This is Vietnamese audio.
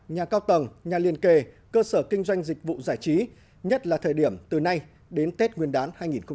nhà cao tầng nhà liền kề cơ sở kinh doanh dịch vụ giải trí nhất là thời điểm từ nay đến tết nguyên đán hai nghìn một mươi bảy